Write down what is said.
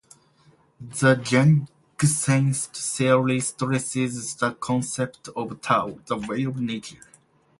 The Jeungsanist theory stresses the concept of Tao, the way of nature.